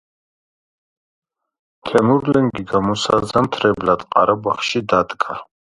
თემურლენგი გამოსაზამთრებლად ყარაბაღში დადგა.